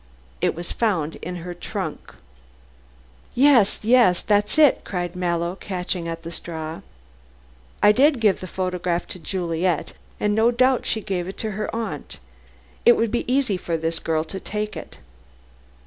It was found in her trunk." "Yes yes, that's it!" cried Mallow, catching at a straw. "I did give the photograph to Juliet, and no doubt she gave it to her aunt. It would be easy for this girl to take it.